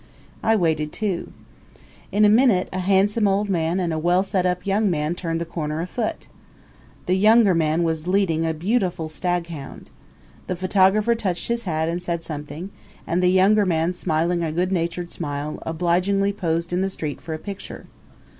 I waited too. In a minute a handsome old man and a well set up young man turned the corner afoot. The younger man was leading a beautiful stag hound. The photographer touched his hat and said something, and the younger man smiling a good natured smile, obligingly posed in the street for a picture.